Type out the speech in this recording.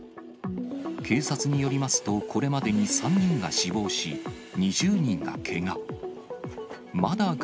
警察によりますと、これまでに３人が死亡し、２０人がけが。